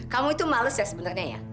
kamu itu males ya sebenarnya ya